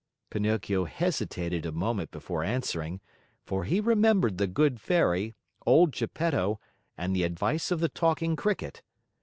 Pinocchio hesitated a moment before answering, for he remembered the good Fairy, old Geppetto, and the advice of the Talking Cricket.